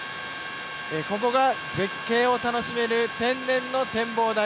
ここが絶景を楽しめる天然の展望台